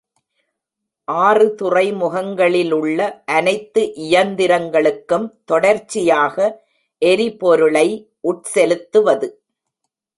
ஆறு துறைமுகங்களிலுள்ள அனைத்து இயந்திரங்களுக்கும் தொடர்ச்சியாக எரிபொருளை உட்செலுத்துவது.